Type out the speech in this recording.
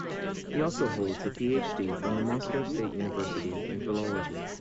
He also holds a Ph.D from the Moscow State University in philology.